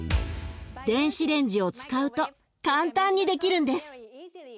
電子レンジを使うと簡単にできるんです。